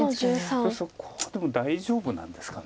そこはでも大丈夫なんですかね。